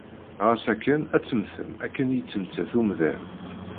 Ɣas akken, ad temmtem akken yettmettat umdan.